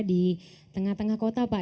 di tengah tengah kota pak